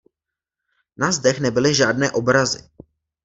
Na zdech nebyly žádné obrazy.